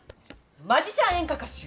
マジシャン演歌歌手。